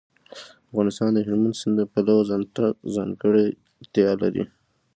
افغانستان د هلمند سیند د پلوه ځانته ځانګړتیا لري.